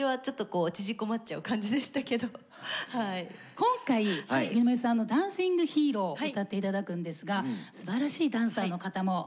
今回荻野目さんの「ダンシング・ヒーロー」歌って頂くんですがすばらしいダンサーの方も呼んでおります。